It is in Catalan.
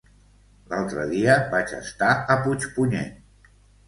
L'altre dia vaig estar a Puigpunyent.